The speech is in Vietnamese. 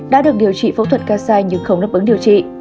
đã được điều trị phẫu thuật casai nhưng không đáp ứng điều trị